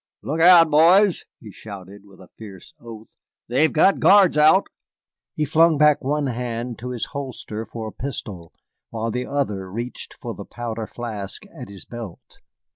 "Look out, boys," he shouted, with a fierce oath, "they've got guards out!" He flung back one hand to his holster for a pistol, while the other reached for the powder flask at his belt.